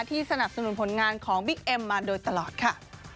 สนับสนุนผลงานของบิ๊กเอ็มมาโดยตลอดค่ะ